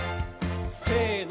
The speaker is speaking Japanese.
せの。